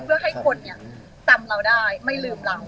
เพื่อให้คนจำเราได้ไม่ลืมเรา